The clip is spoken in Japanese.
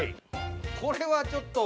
これはちょっと。